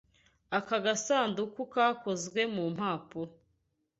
Aka gasanduku gakozwe mu mpapuro.